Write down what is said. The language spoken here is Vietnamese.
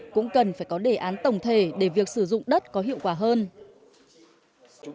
cũng cần phải có đề án tổng thể để việc sử dụng đất có hiệu quả hơn